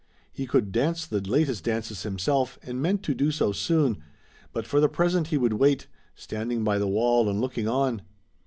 He could dance the latest dances himself, and meant to do so soon, but for the present he would wait, standing by the wall and looking on.